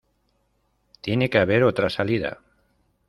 Tiene que haber otra salida.